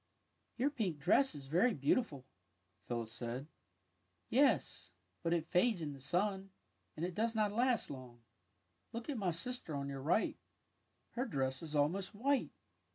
'''' Your pink dress is very beautiful," Phyl lis said. ^' Yes, but it fades in the sun, and it does not last long. Look at my sister on your right. Her dress is almost white.